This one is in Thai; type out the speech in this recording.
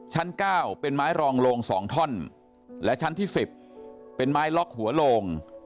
ชั้น๙เป็นไม้รองโลง๒ท่อนและชั้นที่๑๐เป็นไม้ล็อกหัวโลง